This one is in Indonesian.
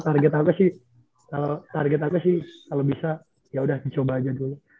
target aku sih target aku sih kalau bisa yaudah dicoba aja dulu